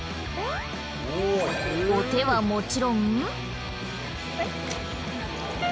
お手はもちろん。